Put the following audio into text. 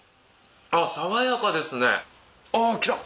あっ爽やかですね。来た！